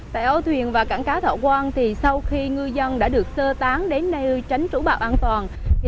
tại ấu thuyền và cảng cá thọ quang sau khi ngư dân đã được sơ tán đến nơi tránh trú bão an toàn